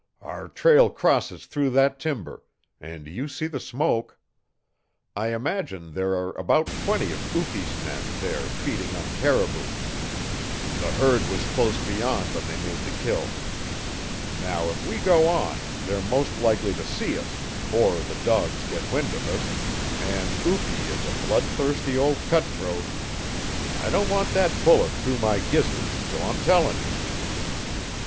"Our trail crosses through that timber and you see the smoke. I imagine there are about twenty of Upi's men there feeding on caribou. The herd was close beyond when they made the kill. Now if we go on they're most likely to see us, or their dogs get wind of us and Upi is a bloodthirsty old cutthroat. I don't want that bullet through my gizzard, so I'm tellin' you."